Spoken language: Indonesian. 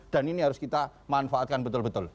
dan ini harus kita manfaatkan betul betul